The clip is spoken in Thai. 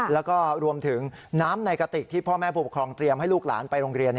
แล้วก็รวมถึงน้ำในกระติกที่พ่อแม่ผู้ปกครองเตรียมให้ลูกหลานไปโรงเรียน